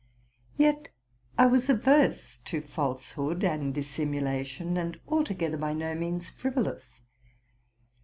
Yet I was averse to falsehood and dissimulation, and altogether by no means frivolous.